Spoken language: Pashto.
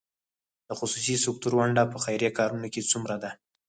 د خصوصي سکتور ونډه په خیریه کارونو کې څومره ده؟